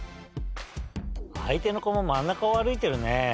あいての子も真ん中を歩いてるね。